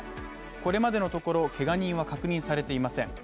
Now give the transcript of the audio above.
これまでのところけが人は確認されていません。